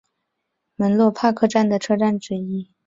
门洛帕克站的车站之一。